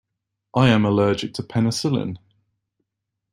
I am allergic to penicillin.